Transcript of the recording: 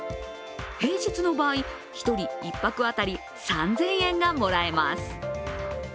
平日の場合、１人１泊当たり３０００円がもらえます。